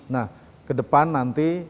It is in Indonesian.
nah ke depan nanti